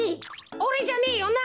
おれじゃねえよな？